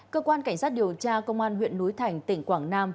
cơ quan cảnh sát điều tra công an huyện núi thành tỉnh quảng nam